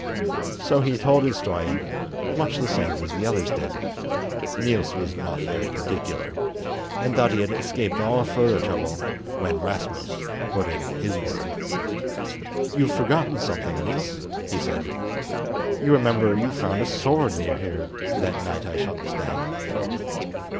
So he told his story much the same as the others did (Niels was not very particular), and thought he had escaped all further trouble, when Rasmus put in his word. "You've forgotten something, Niels," he said; "you remember you found a sword near here that night I shot the stag."